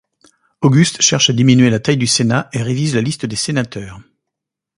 Auguste cherche à diminuer la taille du Sénat et révise la liste des sénateurs.